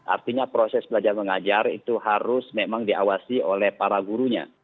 artinya proses belajar mengajar itu harus memang diawasi oleh para gurunya